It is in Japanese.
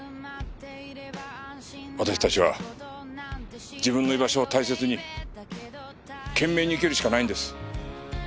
私たちは自分の居場所を大切に懸命に生きるしかないんです。